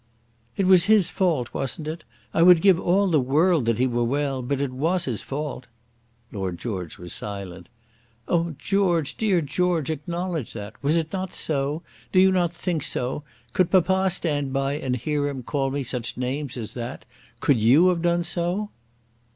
"It was his fault; wasn't it? I would give all the world that he were well; but it was his fault." Lord George was silent. "Oh, George, dear George, acknowledge that. Was it not so? Do you not think so? Could papa stand by and hear him call me such names as that? Could you have done so?"